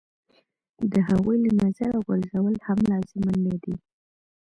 د هغوی له نظره غورځول هم لازم نه دي.